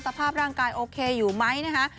สภาพร่างกายโอเคอยู่ไหมนะคะ